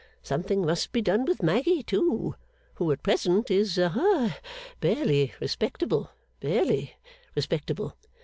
Something must be done with Maggy too, who at present is ha barely respectable, barely respectable.